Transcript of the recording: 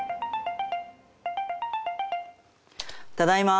ただいま。